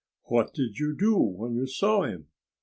What did you do when you saw him?"